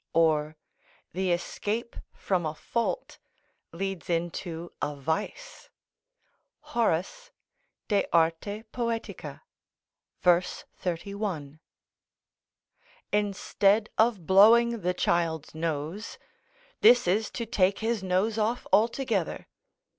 Or: "The escape from a fault leads into a vice" Horace, De Arte Poetics, verse 31.] Instead of blowing the child's nose, this is to take his nose off altogether.